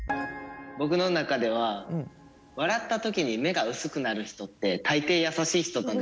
僕の中では笑った時に目が薄くなる人って大抵優しい人だなって。